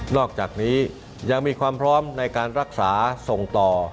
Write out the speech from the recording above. อกจากนี้ยังมีความพร้อมในการรักษาส่งต่อ